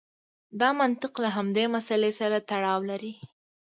دا منطق له همدې مسئلې سره تړاو لري.